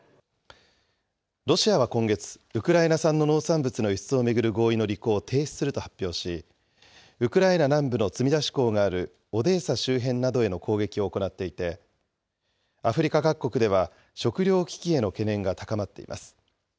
ロシアは今月、ウクライナ産の農産物の輸出を巡る合意の履行を停止すると発表し、ウクライナ南部の積み出し港があるオデーサ周辺などへの攻撃を行っていて、アフリカ各国では食料危機への懸念が高まっています。